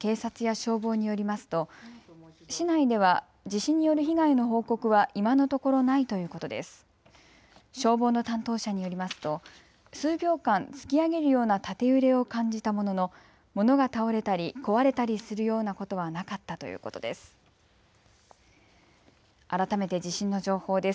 消防の担当者によりますと数秒間、突き上げるような縦揺れを感じたものの物が倒れたり壊れたりするようなことはなかったということです。